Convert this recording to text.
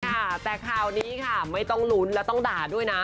ค่ะแต่คราวนี้ค่ะไม่ต้องลุ้นและต้องด่าด้วยนะ